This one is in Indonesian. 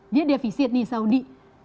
dia defisit nih saudi